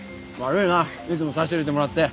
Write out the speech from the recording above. いつも差し入れてもらって。